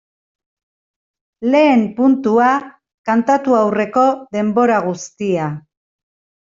Lehen puntua kantatu aurreko denbora guztia.